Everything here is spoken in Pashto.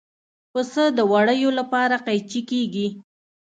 پسه د وړیو لپاره قیچي کېږي.